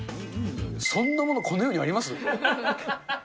そんなもの、この世にあります？